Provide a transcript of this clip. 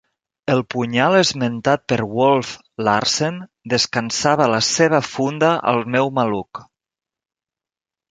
El punyal esmentat per Wolf Larsen descansava a la seva funda al meu maluc.